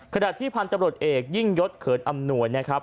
ขณะที่พันธุ์ตำรวจเอกยิ่งยศเขินอำนวยนะครับ